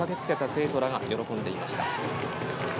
生徒らが喜んでいました。